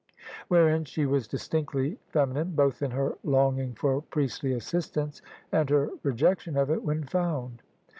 Wherein she was distinctly femi nine, both in her longing for priestly assistance and her rejection of it when found.